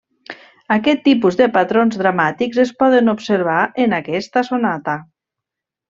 Aquest tipus de patrons dramàtics es poden observar en aquesta sonata.